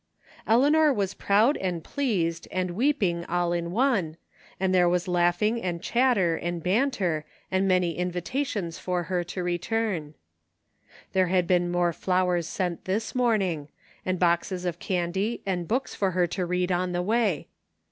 239 THE FINDING OF JASFEB HOLT Eleanor was proud and pleased and weeping all in one, and there was laughing and chatter and banter | and many invitations for her to return. ^ There had been more flowers sent this morning, and boxes of candy and books for her to read on the way.